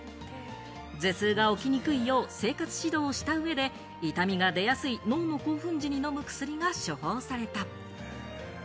頭痛が起きにくいよう生活指導をした上で、痛みが出やすい脳の興奮時に飲む薬が処方された。